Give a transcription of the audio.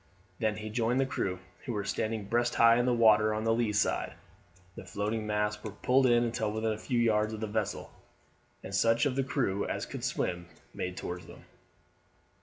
Then he joined the crew, who were standing breast high in the water on the lee side, the floating masts were pulled in until within a few yards of the vessel, and such of the crew as could swim made towards them.